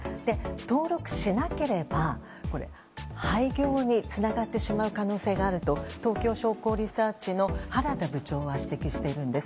登録しなければ廃業につながってしまう可能性があると東京商工リサーチの原田部長は指摘しているんです。